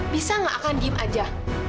bisa nggak akan diem aja